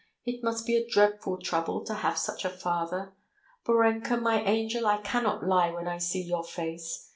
It must be a dreadful trouble to have such a father! Borenka, my angel, I cannot lie when I see your face.